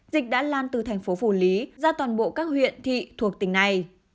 dịch đã lan từ thành phố phủ lý ra toàn bộ các huyện thị thuộc tỉnh này